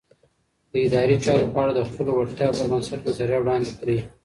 د ادارې چارو په اړه د خپلو وړتیاوو پر بنسټ نظریه وړاندې کړئ.